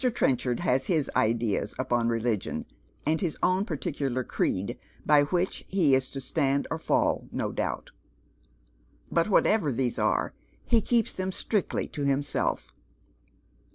Trenchard has his ideas upon religion, and his own particular creed by which he is to stand or fall, no doubt ; but whatever thase are, he keeps them strictly to himself.